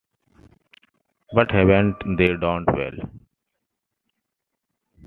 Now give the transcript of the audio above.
But haven’t they done well?